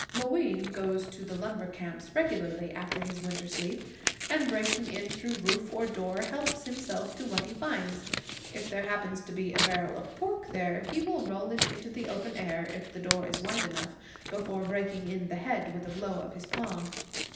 Mooween goes to the lumber camps regularly after his winter sleep and, breaking in through door or roof, helps himself to what he finds. If there happens to be a barrel of pork there, he will roll it into the open air, if the door is wide enough, before breaking in the head with a blow of his paw.